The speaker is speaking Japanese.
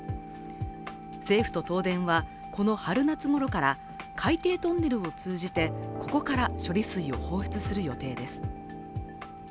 政府と東電は、この春夏ごろから海底トンネルを通じてここから処理水を放出する予定です。